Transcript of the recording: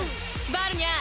バルニャー！